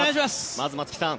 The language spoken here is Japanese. まず松木さん